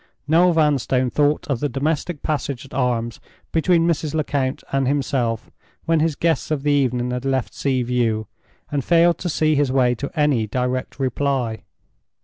Noel Vanstone thought of the domestic passage at arms between Mrs. Lecount and himself when his guests of the evening had left Sea View, and failed to see his way to any direct reply.